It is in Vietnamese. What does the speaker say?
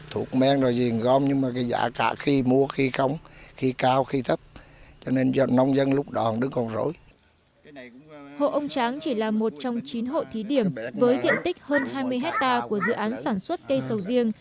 hộ ông tráng chỉ là một trong chín hộ thí điểm với diện tích hơn hai mươi hectare của dự án sản xuất cây sầu riêng